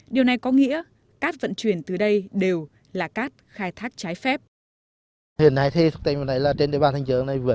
điều này có nghĩa cát vận chuyển từ đây đều là cát khai thác trái phép